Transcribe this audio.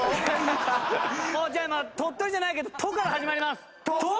じゃあまあ鳥取じゃないけど「と」から始まります。